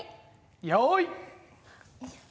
よい！